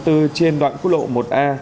trên đoạn khu lộ một a